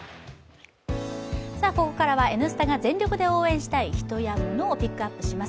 ここからは「Ｎスタ」が全力で応援したい人やものをピックアップします